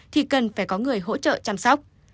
phải có người hỗ trợ chăm sóc